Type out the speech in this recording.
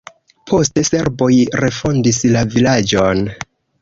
Poste serboj refondis la vilaĝon.